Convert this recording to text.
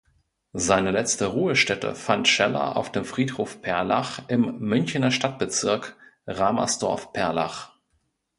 Seine letzte Ruhestätte fand Scheller auf dem Friedhof Perlach im Münchener Stadtbezirk Ramersdorf-Perlach.